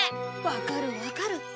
わかるわかる。